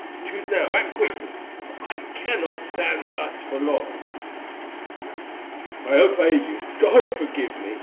Choose now, and quickly, for I cannot stand thus for long." "I obey you, God forgive me!"